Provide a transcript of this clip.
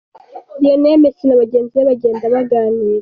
Lionel Messi na bagenzi be bagenda baganira .